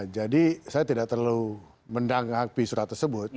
jadi saya tidak terlalu mendanggapi surat tersebut